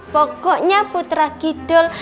pokoknya putra kidul